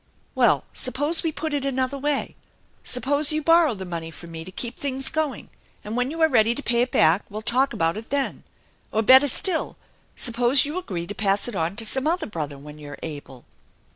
"Well, suppose we put it in another way. Suppose you borrow the money from me to keep things going, and when you are ready to pay it back we'll talk about it then. Or, better still, suppose you agree to pass it on to some other brother when you are able."